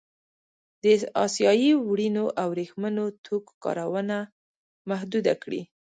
د اسیايي وړینو او ورېښمينو توکو کارونه محدوده کړي.